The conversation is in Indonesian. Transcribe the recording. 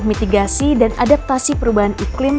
mitigasi dan adaptasi perubahan iklim